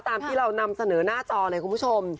ตามที่เรานำเสนอหน้าจอเลยคุณผู้ชม